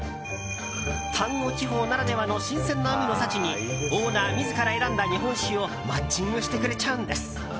丹後地方ならではの新鮮な海の幸にオーナー自ら選んだ日本酒をマッチングしてくれちゃうんです。